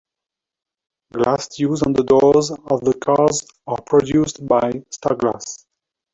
Glass used on the doors of the cars are produced by Starglass.